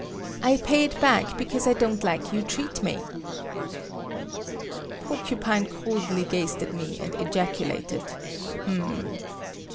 I pay it back because I don't like you treat me." Porcupine coldly gazed at me and ejaculated "H'm."